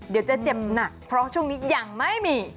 เดี๋ยวจะเจ็บหนักเพราะช่วงนี้ยังไม่มี